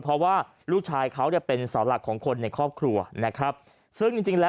เพราะว่าลูกชายเขาเนี่ยเป็นเสาหลักของคนในครอบครัวนะครับซึ่งจริงจริงแล้ว